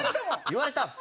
言われたの？